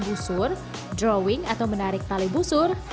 busur drawing atau menarik tali busur